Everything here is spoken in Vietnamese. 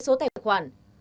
số tài khoản